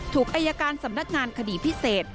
อายการสำนักงานคดีพิเศษ